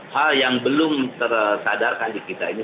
hal yang belum tersadarkan di kita ini